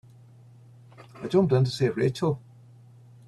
I jumped in to save Rachel.